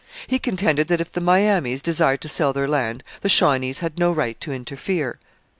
He contended that if the Miamis desired to sell their land, the Shawnees had no right to interfere.